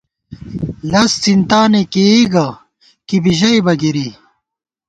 لز څِنتانےکېئی گہ، کی بی ژَئیبہ گِرِی